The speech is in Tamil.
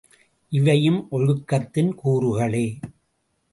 இவையும் ஒழுக்கத்தின் கூறுகளே!